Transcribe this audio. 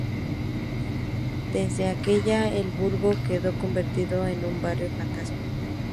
Desde aquella El Burgo quedó convertido en un barrio fantasma.